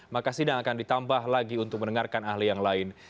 maka sidang akan ditambah lagi untuk mendengarkan ahli yang lain